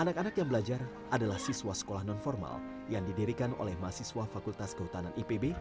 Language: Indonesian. anak anak yang belajar adalah siswa sekolah non formal yang didirikan oleh mahasiswa fakultas kehutanan ipb